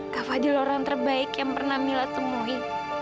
kak fadil orang terbaik yang pernah mila temuin